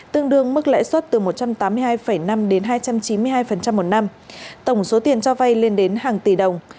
tương đương mức lãi suất từ một trăm tám mươi hai năm đến hai trăm chín mươi hai một năm tổng số tiền cho vay lên đến hàng tỷ đồng